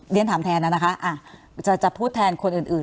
เรียนถามแทนแล้วนะคะจะพูดแทนคนอื่น